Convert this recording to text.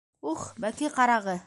- Ух, бәке ҡарағы!